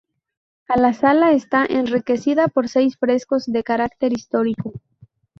La sala está enriquecida por seis frescos de carácter histórico.